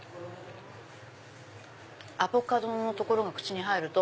アボカドのところが口に入ると。